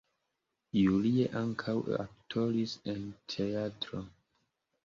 Julie ankaŭ aktoris en teatro.